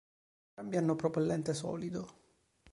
Entrambi hanno propellente solido.